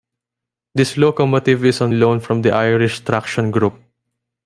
This locomotive is on loan from the Irish Traction Group.